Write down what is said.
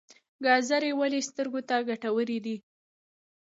ګازرې ولې سترګو ته ګټورې دي؟